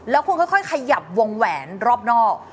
แล้วคุณค่อยขยับวงแหวนรอบนอก